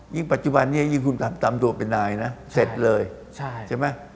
ปัจจุบันนี้ยิ่งคุณขับตามตัวเป็นนายนะเสร็จเลยใช่ไหม